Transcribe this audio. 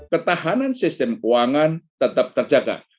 ketahanan sistem keuangan tetap terjaga